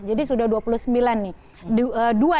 jadi sudah dua puluh sembilan nih